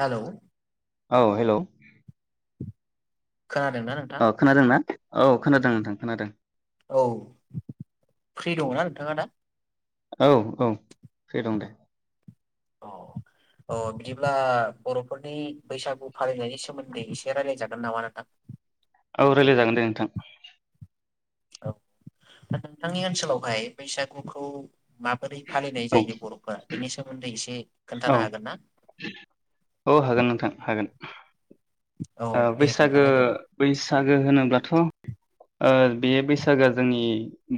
Hello. औ hello. खोनादोंना नोंथां औ खोनादों ना औ खोनादों नोंथां खोनादों। औ फ्रि दङना नोंथाङा दा औ औ फ्रि दं दे। अ औ बिदिब्ला बर'फोरनि बैसागु फालिनायनि सोमोन्दै एसे रायलाय जागोन नामा नोंथां? औ रायलाय जागोन दे नोंथां। औ दा नोंथांनि ओनसोलावहाय बैसागुखौ माबोरै फालिनाय औ जायो बर'फोरा बेनि सोमोन्दै एसे औ खोन्थानो हागोन ना औ हागोन नोंथां हा गोन। औ ओ दे बैसागो खोन्थानाय दे बैसागो होनोब्लाथ' ओ बे बैसागोआ जोंनि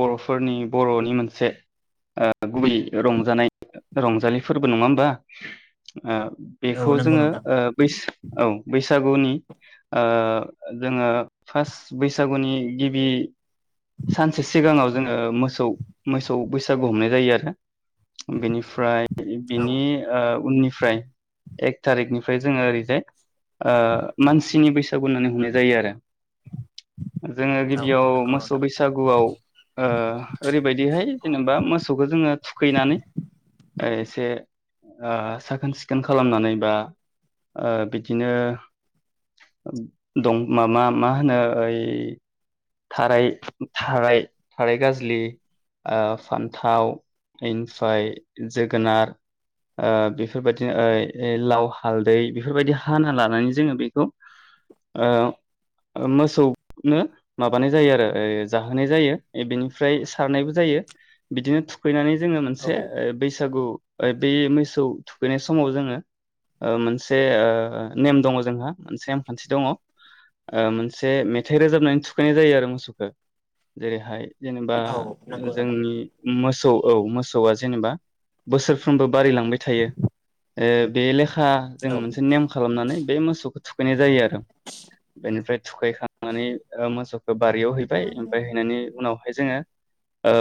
बर'फोरनि बर'नि मोनसे ओ गुबै रंजानाय रंजालिफोरबो नङा होनबा? ओ औ बेखौ नंगौ जोङो नोंथां ओ बैस औ बैस सागुनि ओ जोङो फार्स्ट बैसागुनि गिबि सानसे सिगाङाव जोङो मोसौ मोसौ बैसागु हमनाय जायो आरो। बिनिफ्राय औ बिनि ओ उननिफ्राय। एक थारिकनिफ्राय जोङो ओरैजाय ओ मानसिनि बैसागु होननानै हमनाय जायो आरो। जोङो औ गिबियाव नंगौ मोसौ नोंथां बैसागुआव ओ ओरैबायदिहाय जेनेबा मोसौखौ जोङो थुखैनानै ओ एसे साखोन सिखोन खालामनानै बा बिदिनो दं माबा मा होनो ओइ थाराय थाराय थाराय गाजलि फान्थाव इनफाय जोगोनार बेफोरबायदिनो लाव हालदै बेफोरबायदि हाना लानानै जोङो बेखौ मोसौनो माबानाय जायो आरो जाहोनाय जायो बेनिफ्राय सारनायबो जायो बिदिनो थुखैनानै जोङो औ मोनसे बैसागु बे मोसौ थुखैनाय समाव जोङो ओ मोनसे ओ नेम दङ जोंहा मोनसे नेमखान्थि दङ ओ मोनसे मेथाइ रोजाबनानै थुख थुखैनाय जायो आरो मोसौखौ जेरैहाय जेनेबा औ नंगौ नोंथां जोंनि मोसौ औ मोसौआ जेनेबा बोसोरफ्रोमबो बारलांबाय थायो ओ बे बेेलेखा हा जों औ मोनसे नेम खालामनानै बे मोसौ मोसौखौ थुखैनाय जायो आरो बेनिफ्राय थुखैखांनानै मोसौखौ बारियाव हैबाय ओमफ्राय हैनायनि उनावहाय जोङो ओ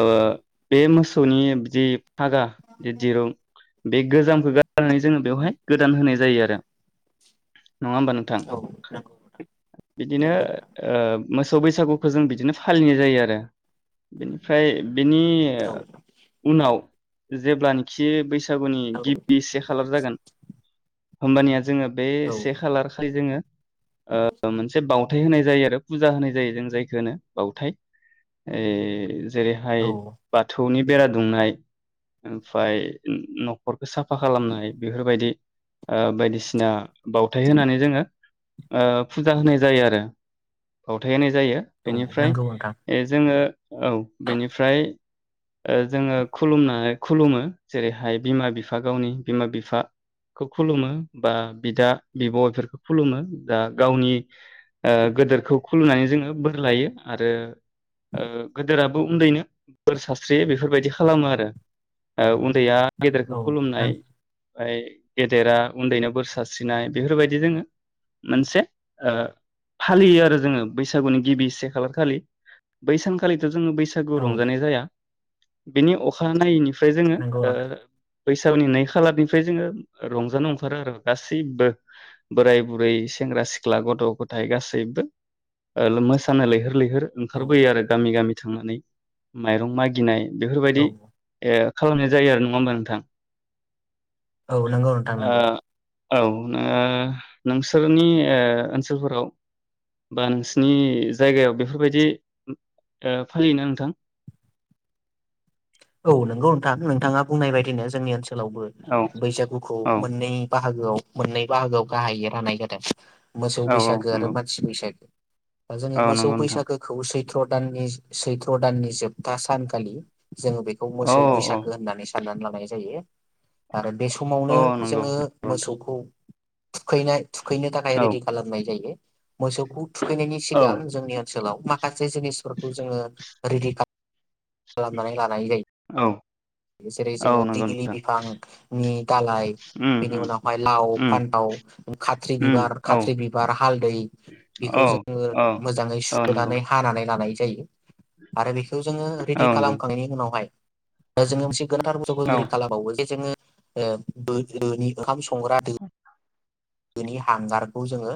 बे मोसौ मोसौनि बिदि हागा दि दिरुं बे गोजामखौ गार नानै जोङो बेवहाय गोदान होनाय जायो आरो दे नङा होमबा नोंथां औ नंगौ नोंथां बिदिनो नंगौ नोंथां ओ मोसौ बैसागुखौ जों बिदिनो फालिनाय जायो आरो बिनिफ्राय बेनि औ उनाव जेब्लानोखि बैस सागुनि औ गिबिसे खालार जागोन होमबानिया जोङो बे औ से खालार खालि जोङो मोनसे बाव हाथाय होनाय जायो आरो फुजा होनाय जायो जों जायखौ होनो बाउथाय ए जेरैहाय औ बाथौनि बेरा दुंनाय ओमफ्राय न'खरखौ साफा खालामनाय बेफोरबायदि बायदिसिना बावथाय होनानै जोङो फुजा होनाय जायो आरो बावथायानो जायो औ बेनिफ्राय नंगौ नोंथां जोङो औ बेनिफ्राय जोङो खुलुमनानै खुलुमो जेरैहाय बिमा बिफा गावनि बिमा बिफाखौ खुलुमो बा बिदा बिब'फोरखौ खुलुमो दा गावनि गोदोरखौ खुलुनानै जोङो बोर लायो आरो गोदोराबो उन्दैनो बोर सारस्रियो बेफोरबायदि खालामो आरो उन्दैया गेदेरखौ औ खुलुमनाय नों ओमफ्राय गेदेरा उन्दैनो बोर सारस्रिनाय बेफोरबायदि जोङो मोनसे ओ फालियो आरो जोङो बैसागुनि गिबि गसे खालार खालि। बै सानखालिथ' जोङो बैसागु औ रंजानाय जाया। बेनि अखानायैनि फ्राय जोङो नंगौ ओ नोंथां बैसागुनि नै खालारनिफ्राय जोङो रंजानो ओंखारो आरो गासैबो बोराय-बुरै, सेंग्रा-सिख्ला, गथ'-गथाय गासैबो। ओ मोसानो लैहोर लैहोर-लैहोर ओ औ ओंखारबोयो आरो गामि गामि। थांनानै माइरं मागिनाय औ बेफोरबायदि खालामनाय जायो आरो। नङा होमबा नोंथां? औ नंगौ नोंथां ओ नांगौ औ ओ नोंसोरनि ओ ओनसोलफोराव बा नोंसिनि जायगायाव बेफोरबायदि ओ फालियोना नोंथां? औ नंगौ नोंथां नोंथाङा बुंनाय बायदिनो जोंनि ओनसो लावबो औ बैसागुखौ औ मोननै बा हागोआव मोननै बाहागोआव गाहायै राननाय जादों। मोसौ औ औ बैसागो नंगौ आरो मानसि बैसागो। दा जोङो औ मोसौ नंगौ नोंथां बैसागो खौ सै थ्र' दाननि सैथ्र' दाननि जोबथा सानखालि जोङो बेखौ औ मोसौ औ बैसागो होननानै सान साननानै लानाय जायो आरो बे समावनो औ नंगौ जोङो नंगौ नोंथां मोसौखौ थुखैनाय थुखैनो थाखाय औ रेदि खालामनाय जायो। मोसौखौ थुखैनायनि औ सिगां जोंनि ओनसोलाव माखासे जिनिस फोरखौ जोङो रेडि खालाम खालामनानै लानाय औ जायो। जेरै औ जोङो नंगौ दिगलि बिफांनि दालाय उम बेनि उम उनावहाय लाव उम फान्थाव खाथ्रि उम बिबार औ खाथ्रि बिबार हालदै औ बेखौ जोङो औ मोजाङै औ नंगौ सुनानै हानानै लानाय जायो आरो बेखौ जोङो रेडि औ नंगौ खालामखांनायनि उनावहाय जोङो मोनसे गोनांथार औ बुसथुफोरखौ खालामबावो जे जोङो [unintelligible] संग्रा दो बिनि हांगारखौ जोङो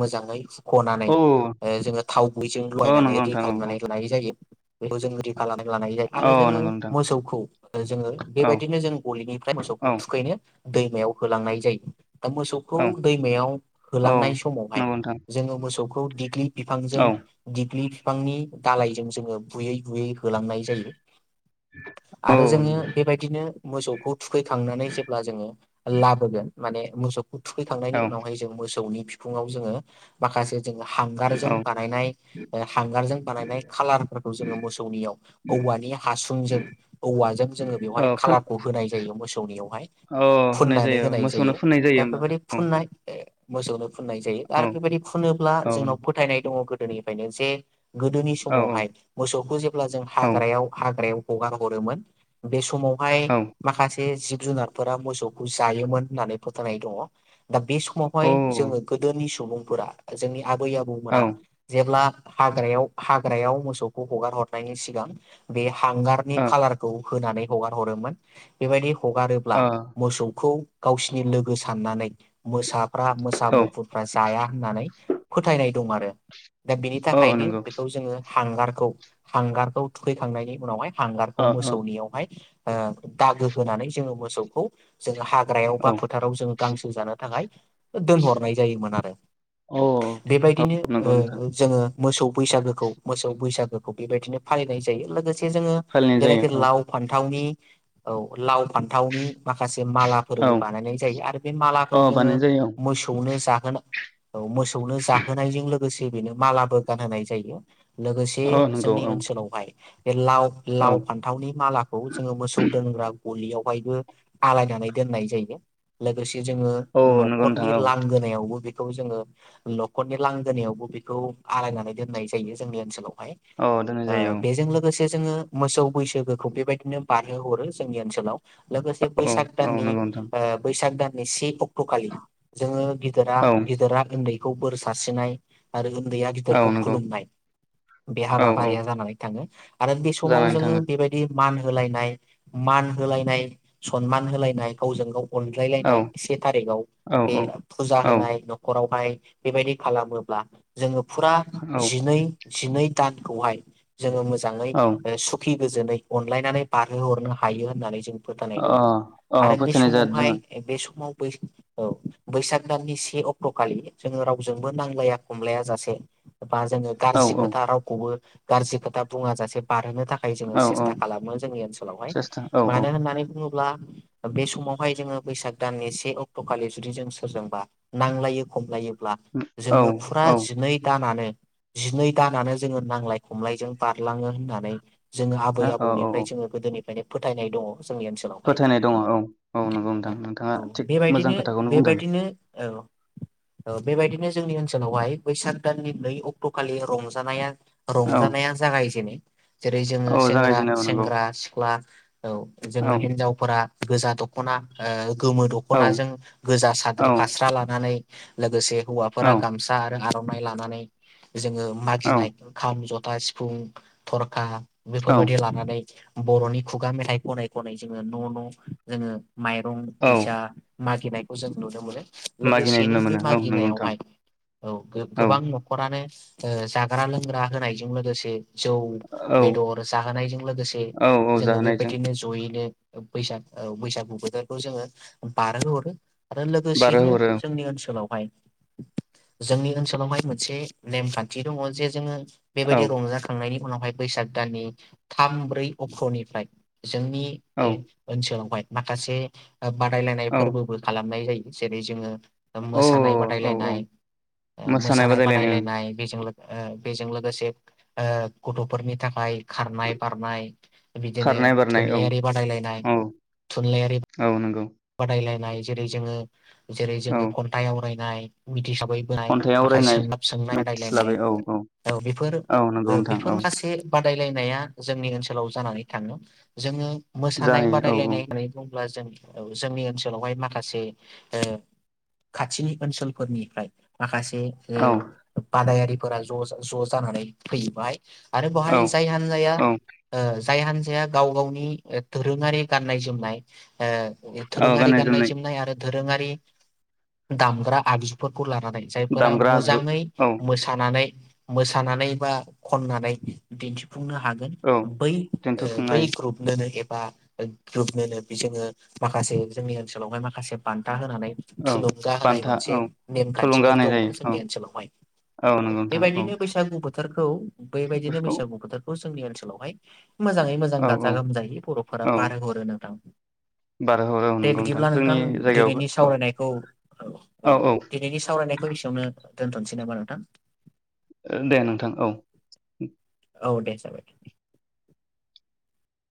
मोजाङै खनानै औ जोङो थाव गुबयैजों औ लगायनानै नंगौ रेडि नोंथां औ खालामनानै लानाय जायो [unintelligible] लानाय जायो औ आरो औ जोङो नंगौ नोंथां मोसौखौ जोङो औ बेबायदिनो जों गलिनिफ्राय मोसौखौ औ थुखैनो दैमायाव होलांनाय जायो दा खौ औ दैमायाव औ होलांनाय समावहाय नंगौ नोंथां जोङो मोसौखौ खौ दिग्लि बिफांजों औ दिग्लि बिफांनि दालायजों जोङो बुयै बुयै होलांनाय जायो औ आरो जोङो नंगौ बेबायदिनो मोसौखौ थुखैखांनानै जेब्ला जोङो लाबोगोन माने मोसौ खौ थुखैखांनायनि औ उनावहाय जों मोसौनि बिखुंवाव जोङो माखासे जोङो हांगारजों औ बानायनाय हांगारजों बानायनाय खालारफोरखौ जोङो मोसौनियाव औवानि हासुंजों औवाजों जोङो बेवहाय औ फोन खालारखौ होनाय जायो मोसौनियावहाय औ फुननानै होनाय मोसौनो जायो फोननाय दा होमबा बेबायदि औ फुननाय मोसौनो फुननाय जायो औ आरो बेबायदि खुनो औ जोंनाव फथायनाय दङ गोदोनिफ्रायनो जे गोदोनि औ औ समावहाय मोसौखौ जेब्ला जों औ हाग्रायाव हाग्रायाव हगार हरोमोन बे समावहाय औ माखासे जुनारफोरा मोसौखौ जायोमोन होननानै फोथायनाय दङ दा बे ओ समावहाय जोङो गोदोनि सुबुं जोंनि आबै आबौमोना जेब्ला हाग्रायाव हाग्रायाव मोसौखौ हगार हरनायनि सिगां बे हांगारनि खाालारखौ होनानै हगार हरोमोन बेबायदि हगारोब्ला मोसौखौ गावसि लोगो साननानै मोसाफ्रा मोसा ओ औ मुफुरफ्रा जाया होननानै फोथायनाय दं आरो दा बिनि औ थाखायनो नंगौ बेखौ जोङो हांगारखौ हांगारखौ थुखैखांनायनि उनावहाय हांगारखौ ओ मोसौनियावहाय ओ दागो होनानै जोङो मोसौखौ जोङो हा [unintelligible] ओ जोङो गांसो जानो थाखाय दोनहरनाय जायोमोन आरो औ बेबायदिनो नंगौ नोंथां ओ जोङो मोसौ बैसागोखौ मोसौ बैसागोखौ बेबायदिनो फालिनाय जायो लोगोसे जोङो फालिनाय जायो जेरैनाखि औ लाव फान्थावनि औ लाव फान्थावनि माखासे मालाफोर औ बानायनाय जायो आरो बे अ मालाखौ जोङो बानायनाय जायो मोसौनो जा औ मोसौनो जाहोनायजों लोगोसे बेनो मालाबो गानहोनाय जायो। लोगोसे औ नंगौ जोंनि औ ओनसोलावहाय बे लाव औ लाव फान्थावनि मालाखौ जोङो मोसौ दोनग्रा गलियावहायबो आलायनानै दोननाय जायो। लोगोसे जोङो औ नंगौ नोंथां न'खरनि औ लांगोनायावबो बेखौ जोङो न'खरनि लांगोनायावबो बेखौ आलायनानै दोननाय जायो जोंनि ओनसोलाव। ओमफाय औ दोननाय ओ जायो बेजों लोगोसे जोङो मोसौ बैसागोखौ बेबायदिनो बारहोहरो जोंनि ओनसोलाव। लोगोसे औ बैसाग औ दाननि नंगौ नोंथां बैसाग दाननि से अक्टखालि जोङो गिदिरा औ गिदिरा उन्दै खौ बोर सारस्रिनाय आरो उन्दैया औ गिदिरखौ नंगौ खुलुमनाय बे औ औ हाबाफारिया जानानै थाङो आरो बे समाव जानानै थाङो जोङो बेबायदि मान होलायनाय मान होलायनाय सनमान होलायनाय गावजों गाव औ अनज्लायलायनाय से थारिखाव औ बे औ फुजा औ होनाय न'खराव। ओमफाय बेबायदि खालामोब्ला जोङो फुरा जिनै जिनै दानखौहाय जोङो मोजाङै औ सुखि गोजोनै अनलायनानै बारहोहरनो हायो होननानै जों फोथायनाय दङ अ अ आरो बे फोथायनाय जादों। समावहाय जोङो बे समाव औ बैसाग दाननि से अक्ट' खालि जोङो रावजोंबो नांलाया खमलाया जासे बा जोङो औ गारजि खोथा रावखौबो गारजि खोथा बुङाजासे बारहोनो थाखाय जोङो औ औ सेस्था खालामो जोंनि ओनसोलावहाय सेस्था औ औ मानो होननानै बुङोब्ला ब्ला बे समाव बेहाय जोङो बैसाग दाननि से अक्ट' खालि जुदि जों सोरजोंबा नांलायो खमलायो ब्ला औ जोङो फुरा हो जिनै दानानो जिनै दानानो जोङो नांलाय खमलायजों बारलाङो होननानै जोङो आबै औ औ आबौनिफ्राय औ जोङो गोदोनि माने फोथायनाय दङ। जोंनि ओनसोलावहाय फोथायनाय दङ औ। औ नंगौ नोंथां नोंथाङा थिग मोजां बेबायदिनो खोथाखौनो बुंदों। बेबायदिनो औ औ बेबायदिनो जोंनि ओनसोलावहाय बैसाग दाननि नै अक्ट' खालि रंजानाया औ रंजानाया जागायजेनो। जेरै जोङो औ सेंग्रा जागायजेनो औ नंगौ सेंग्रा सिख्ला [unintelligible] औ औ जोङो हिनजावफोरा गोजा द खना ओ गोमो औ दख'नाजों गोजा साद्रि फास्रा लानानै लोगोसे हौवाफोरा औ गामसा आरो आरनाय लानानै जोङो औ मागिनाय खाम ज था सिफुं थरखा औ बेफोरबायदि लानानै बर'नि खुगा मेथाइ खनै खनै जोङो न' न' जोङो माइरं औ फैसा मागिनायखौ जों नुनो मोनो। मागिनाय लोगोसेनो नुनो बे मोनो औ नंगौ नोंथां मागिनायावहाय औ औ गोबां न'खरानो ओ जाग्रा लोंग्रा होनायजों लोगोसे जौ औ बेदर जाहोनायजों लोगोसे औ औ जोङो जाहोनायजों बेबायदिनो जयैनो बैसाग औ बैसागु बोथोरखौ जोङो बार हो हरो। आरो लोगोसेनो बारहोहरो जोंनि ओनसोलाव जोंनि ओनसोलावहाय मोनसे नेमखान्थि दङ जे जोङो औ बेबायदि रंजाखांनायनि उनावहाय बैसाग दाननि थाम ब्रै अक्ट'निफ्राय जोंनि औ ए ओनसोलावहाय खासे बादायलायनाय औ फोरबोबो खालामनाय जायो। जेरै जोङो मोसानाय औ औ बादायलायनाय ओ मोसानाय बादायलायनाय बेजों लो ओ बेजों लोगोसे ओ गथ'फोरनि थाखाय खारनाय बारनाय बिदिनो खारनाय बारनाय औ थुनलाइयारि बादायलायनाय औ थुनलाइयारि औ नंगौ बादायलाय नाय जेरै जोङो जेरै औ जोङो खन्थाइ आवराय नाय मिथिसब [unintelligible] बोनाय खन्थाइ माखासे आवरायनाय सोंलाब सोंनाय बादायलायनाय मिथिस्लाबै औ औ बेफोर औ नंगौ नोंथां बेफोर औ माखासे बादायलायनाया जोंनि ओनसोलाव जानानै थाङो जोङो मोसानाय जायो औ बादायलायनाय अब्ला जों औ जोंनि ओनसोलावहाय माखासे ओ खाथिनि ओनसोलफोरनिफ्राय माखासे औ ओ बादायारिफोरा ज' ज' जानानै फैबाय आरो औ बेहाय जाय हान्जाया औ ओ जाय हान्जाया गाव गावनि दोरोङारि गाननाय जोम नाय ओ धोरोङारि गाननाय जोमनाय आरो दोरोङारि दामग्रा आगजुफोरखौ ला नानै जायफोरा दामग्रा आगजु मोजाङै औ मोसानानै मोसानानै बा खननानै दिन्थि फुंनो हागोन औ बै ओ बै दिन्थिफुंनाय ग्रुपनोनो बा ग्र मोनो बि जो माखासे जोंनि ओनसोलावहाय माखासे बान्था होन नानै औ थुलुंगा होनाय बान्था मोनसे औ थुलुंगा नेमखान्थिबो होनाय दङ जायो जोंनि औ ओनसोलावहाय औ नंगौ नोंथां औ बेबायदिनो बैसागु बोथोरखौ बेबायदिनो बेखौ बैसागु बोथोरखौ जोंनि ओनसोलावहाय मोजाङै मोजां औ गाजा औ गोमजायै बर'फोरा औ बारो हरो औ बारहरो औ दे नंगौ बिदिब्ला नोंथां जोंनि जायगायावबो दिनैनि औ सावरायनायखौ औ दिनैनि सावरायनायखौ एसेयावनो दोनथनोसै नामा नोंथां दे नोंथां औ औ दे जाबाय